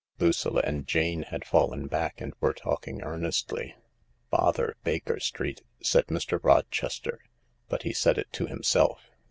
Lucilla and Jane had fallen back and were talking earnestly. " Bother Baker.Street I " said Mr. Rochester, but he said it to himself.